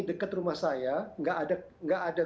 dekat rumah saya nggak ada